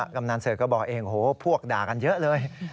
กำนันเสิร์ชก็บอกเองโอ้โหพวกด่ากันเยอะเลย